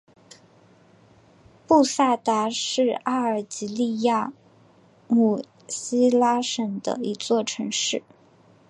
布萨达是阿尔及利亚姆西拉省的一座城市。